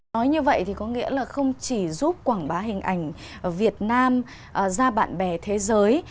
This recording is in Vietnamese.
nói như vậy thì có nghĩa là không chỉ giúp quảng bá hình ảnh việt nam ra bạn bè thế giới